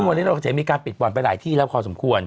วันนี้เราก็จะมีการปิดบ่อนไปหลายที่แล้วพอสมควร